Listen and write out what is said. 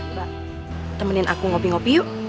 mbak temenin aku ngopi ngopi yuk